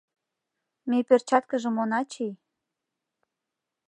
Ме перчаткыжым она чий.